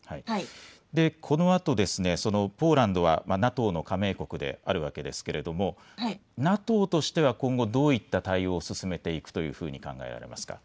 このあとポーランドはＮＡＴＯの加盟国であるわけですがＮＡＴＯとしては今後、どういった対応を進めていくと考えていますか。